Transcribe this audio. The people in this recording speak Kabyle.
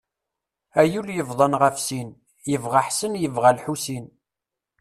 Ay ul yebḍan ɣef sin, yebɣa Ḥsen, yebɣa Lḥusin.